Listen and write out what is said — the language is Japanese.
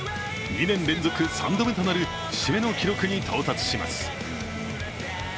２年連続３度目なる節目の記録に到達します。